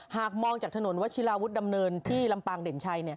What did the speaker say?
หากมองจากถนนวัชิลาวุฒิดำเนินที่ลำปางเด่นชัย